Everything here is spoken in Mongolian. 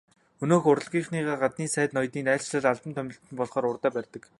Өнөөх урлагийнхныгаа гаднын сайд ноёдын айлчлал, албан томилолт болохоор л урдаа барьдаг.